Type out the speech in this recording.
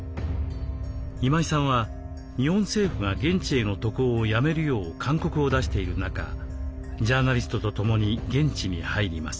今井さんは日本政府が現地への渡航をやめるよう勧告を出している中ジャーナリストと共に現地に入ります。